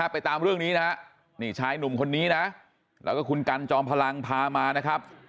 ไปตามเรื่องนี้นะฮะนี่ชายหนุ่มคนนี้นะแล้วก็คุณกันจอมพลังพามานะครับ